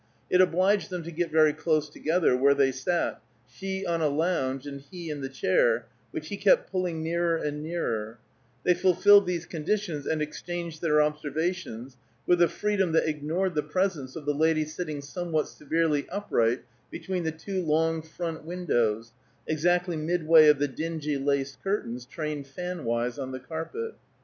It obliged them to get very close together, where they sat, she on a lounge and he in the chair, which he kept pulling nearer and nearer; they fulfilled these conditions and exchanged their observations with a freedom that ignored the presence of the lady sitting somewhat severely upright between the two long, front windows, exactly midway of the dingy lace curtains, trained fan wise on the carpet.